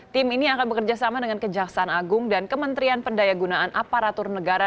tim ini akan bekerjasama dengan kejaksaan agung dan kementerian pendaya gunaan aparatur negara